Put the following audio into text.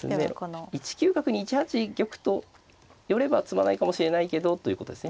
１九角に１八玉と寄れば詰まないかもしれないけどということですね。